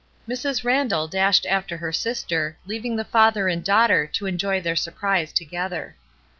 Mrs. Randall dashed after her sister, leaving the father and daughter to enjoy their surprise together.